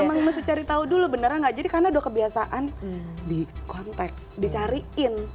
emang mesti cari tahu dulu beneran gak jadi karena udah kebiasaan di kontak dicariin